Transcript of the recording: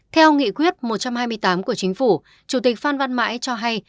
theo nghị quyết một trăm hai mươi tám của chính phủ chủ tịch phan văn mãi cho hay